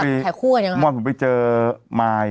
เมื่อวานนี้ก็ไปเจอไมล์